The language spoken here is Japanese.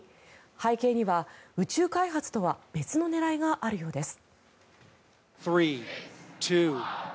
背景には宇宙開発とは別の狙いがあるようです。